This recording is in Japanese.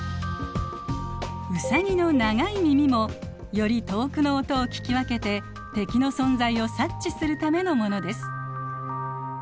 ウサギの長い耳もより遠くの音を聞き分けて敵の存在を察知するためのものです。